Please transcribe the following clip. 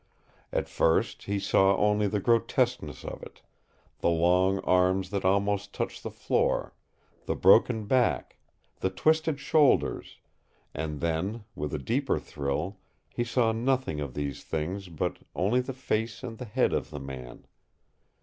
At first he saw only the grotesqueness of it the long arms that almost touched the floor, the broken back, the twisted shoulders and then, with a deeper thrill, he saw nothing of these things but only the face and the head of the man.